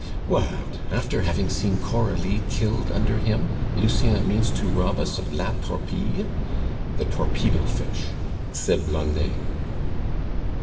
"What! after having seen Coralie killed under him, Lucien means to rob us of La Torpille?" (the torpedo fish) said Blondet.